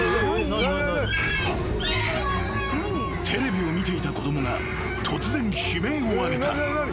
［テレビを見ていた子供が突然悲鳴を上げた］